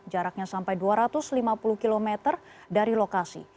jaraknya sampai dua ratus lima puluh km dari lokasi